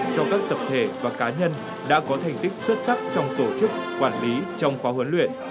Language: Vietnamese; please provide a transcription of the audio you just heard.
cho các tập thể và cá nhân đã có thành tích xuất sắc trong tổ chức quản lý trong khóa huấn luyện